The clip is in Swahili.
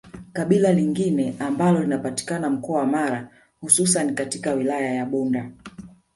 Kabila lingine ambalo linapatikana mkoa wa Mara hususani katika wilaya ya Bunda